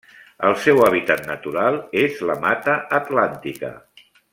El seu hàbitat natural és la Mata Atlàntica.